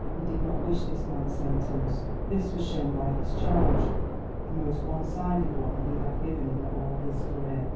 He did not wish this man sentenced. This was shown by his charge the most one sided one he had given in all his career.